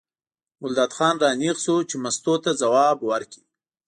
ګلداد خان را نېغ شو چې مستو ته ځواب ورکړي.